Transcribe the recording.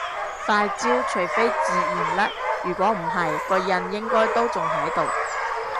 塊焦除非自然甩如果唔係個印應該都仲喺度